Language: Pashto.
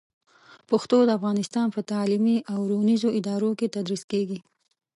پښتو د افغانستان په تعلیمي او روزنیزو ادارو کې تدریس کېږي.